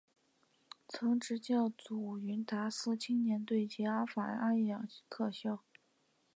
曾执教祖云达斯青年队及法甲阿雅克肖。